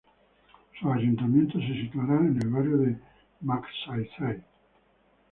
Su ayuntamiento se situará en el barrio de Magsaysay.